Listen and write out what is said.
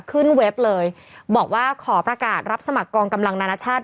เว็บเลยบอกว่าขอประกาศรับสมัครกองกำลังนานาชาติ